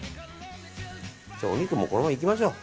お肉もこのままいきましょう。